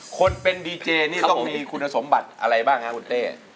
คนเป็นดีเจนี่ต้องมีคุณสมบัติอะไรบ้างครับคุณเต้